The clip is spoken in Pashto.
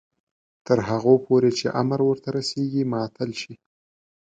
تر هغو پورې چې امر ورته رسیږي معطل شي.